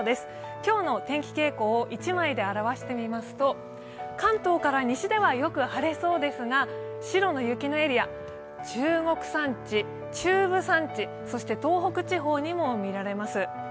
今日の天気傾向を１枚で表してみますと関東から西ではよく晴れそうですが、白の雪のエリア、中国山地、中部山地、そして東北地方にも見られます。